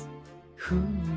フーム。